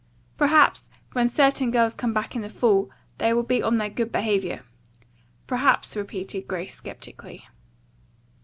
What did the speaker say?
"Perhaps, when certain girls come back in the fall they will be on their good behavior." "Perhaps," repeated Grace sceptically.